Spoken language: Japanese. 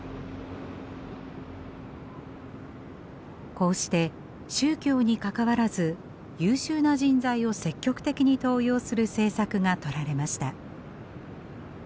こうして宗教にかかわらず優秀な人材を積極的に登用する政策がとられました。